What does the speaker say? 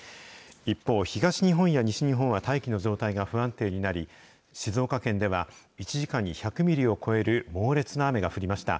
一方、東日本や西日本は大気の状態が不安定になり、静岡県では、１時間に１００ミリを超える猛烈な雨が降りました。